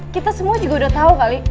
kita semua juga udah tahu kali